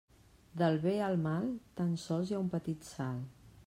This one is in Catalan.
Del bé al mal tan sols hi ha un petit salt.